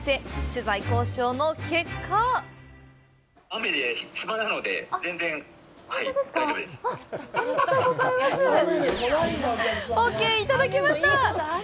取材交渉の結果オッケーいただけました。